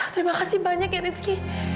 terima kasih banyak ya rizky